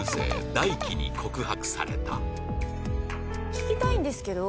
聞きたいんですけど。